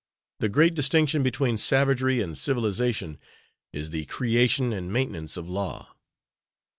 The great distinction between savagery and civilization is the creation and maintenance of law.